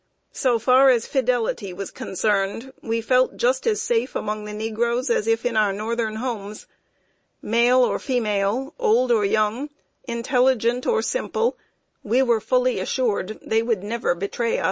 So far as fidelity was concerned, we felt just as safe among the negroes as if in our Northern homes. Male or female, old or young, intelligent or simple, we were fully assured they would never betray us.